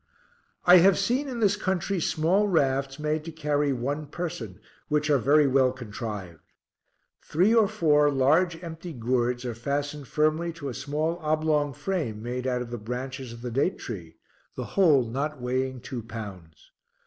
I have seen in this country small rafts made to carry one person, which are very well contrived. Three or four large empty gourds are fastened firmly to a small oblong frame made out of the branches of the date tree, the whole not weighing two pounds.